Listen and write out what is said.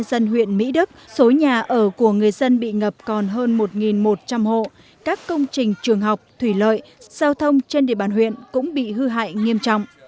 dân huyện mỹ đức số nhà ở của người dân bị ngập còn hơn một một trăm linh hộ các công trình trường học thủy lợi giao thông trên địa bàn huyện cũng bị hư hại nghiêm trọng